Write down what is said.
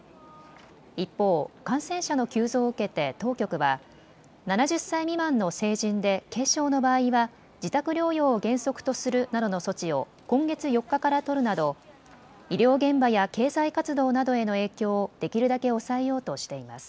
一方、感染者の急増を受けて当局は７０歳未満の成人で軽症の場合は自宅療養を原則とするなどの措置を今月４日から取るなど医療現場や経済活動などへの影響をできるだけ抑えようとしています。